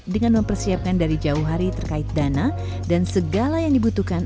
dengan mempersiapkan dari jauh hari terkait dana dan segala yang dibutuhkan